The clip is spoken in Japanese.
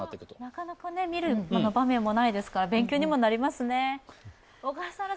なかなか見る場面もないですから勉強になりますね。